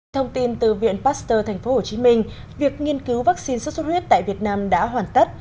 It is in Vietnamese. thông tin từ viện pasteur tp hcm việc nghiên cứu vaccine sốt xuất huyết tại việt nam đã hoàn tất